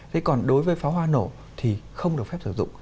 thế còn đối với pháo hoa nổ thì không được phép sử dụng